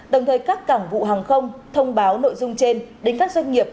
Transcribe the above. đồng thời các cảng vụ hàng không thông báo nội dung trên đến các doanh nghiệp